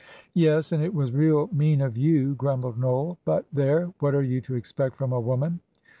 '" "Yes, and it was real mean of you," grumbled Noel; "but there, what are you to expect from a woman?